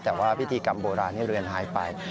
แต่ว่าพิธีกรรมโบราณนี้เรือนหายไป